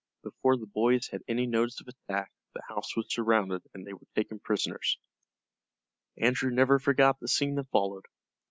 Before the boys had any notice of attack the house was surrounded and they were taken prisoners. Andrew never forgot the scene that followed.